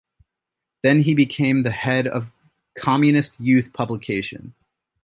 Then he became the head of Communist Youth publication.